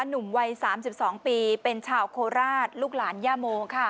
หนุ่มวัย๓๒ปีเป็นชาวโคราชลูกหลานย่าโมค่ะ